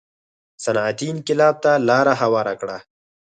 صنعتي انقلاب ته لار هواره کړه.